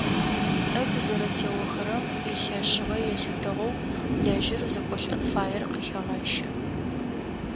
Ӏэгу зэрэтеохэрэм илъэшыгъэ елъытыгъэу лэжъыр зэкӏолӏэн фаер къыхегъэщы.